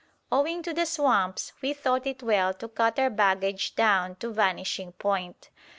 Owing to the swamps, we thought it well to cut our baggage down to vanishing point.